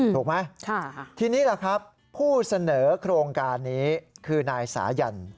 ถูกไหมทีนี้ล่ะครับผู้เสนอโครงการนี้คือนายสายัน